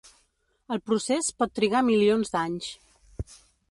El procés pot trigar milions d'anys.